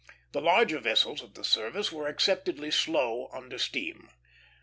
The larger vessels of the service were acceptedly slow under steam.